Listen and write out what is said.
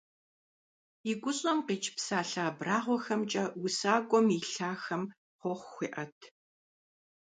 И гущӀэм къикӀ псалъэ абрагъуэхэмкӀэ усакӀуэм и лъахэм хъуэхъу хуеӀэт.